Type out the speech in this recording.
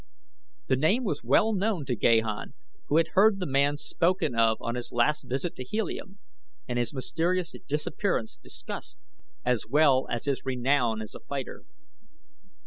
The name was well known to Gahan, who had heard the man spoken of on his last visit to Helium, and his mysterious disappearance discussed as well as his renown as a fighter.